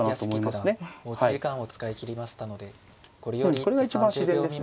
うんこれが一番自然ですね。